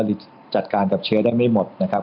จัดการกับเชื้อได้ไม่หมดนะครับ